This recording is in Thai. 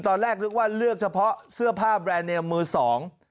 ตอนแรกนึกว่าเลือกเฉพาะเสื้อผ้าแบรนด์เนมมือสอง